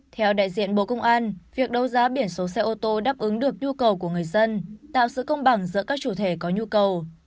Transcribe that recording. theo đại diện bộ công an việc đấu giá biển số xe ô tô đáp ứng được nhu cầu của người dân tạo sự công bằng giữa các chủ thể có nhu cầu